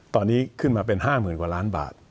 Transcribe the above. ตอนนี้ขึ้นมาเป็น๕๐๐๐กว่าล้านบาท